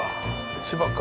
千葉か。